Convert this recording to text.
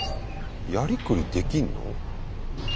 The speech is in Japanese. やりくりできんの？